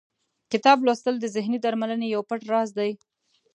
کتاب لوستل د ذهني درملنې یو پټ راز دی.